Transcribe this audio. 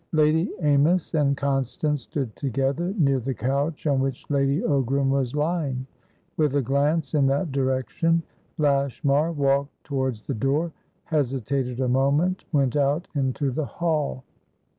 Lady Amys and Constance stood together near the couch on which Lady Ogram was lying. With a glance in that direction, Lashmar walked towards the door, hesitated a moment, went out into the hall.